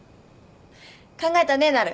考えたねなる。